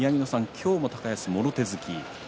今日も高安、もろ手突き。